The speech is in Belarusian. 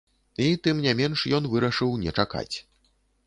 І, тым не менш, ён вырашыў не чакаць.